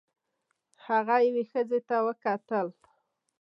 هغه یوې ښځې ته وکتل.